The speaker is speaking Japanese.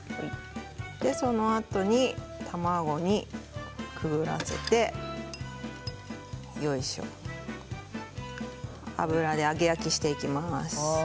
そのあとに卵にくぐらせて油で揚げ焼きしていきます。